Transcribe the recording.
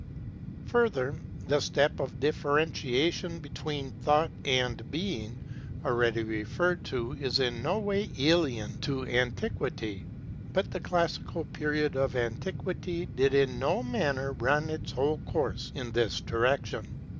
Further, the step of differentiation between Thought and Being already referred to is in no way alien to antiquity ; but the classical period of antiquity did in no manner run its whole course in this direction.